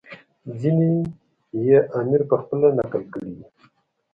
ځینې یې امیر پخپله نقل کړي دي.